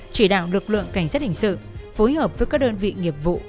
chỉ đạo lực lượng cảnh sát hình sự phối hợp với các đơn vị nghiệp vụ